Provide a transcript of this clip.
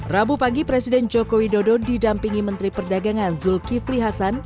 rabu pagi presiden jokowi dodo didampingi menteri perdagangan zulkifri hasan